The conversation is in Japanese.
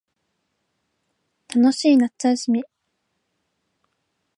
楽しい夏休み